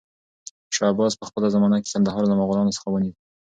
شاه عباس په خپله زمانه کې کندهار له مغلانو څخه ونيو.